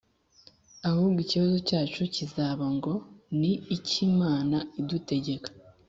Ahubwo ikibazo cyacu kizaba ngo, ni iki Imana idutegeka